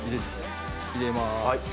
入れます。